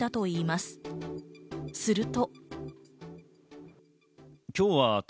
すると。